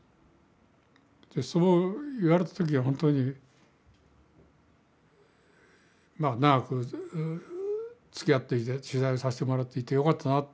そう言われた時は本当に長くつきあってきて取材をさせてもらっていてよかったなって